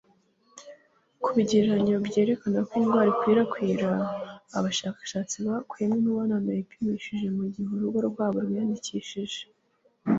Kubigereranyo byerekana ko indwara ikwirakwira, abashakashatsi bakuyemo imibonano yipimishije mugihe urugo rwabo rwiyandikishije.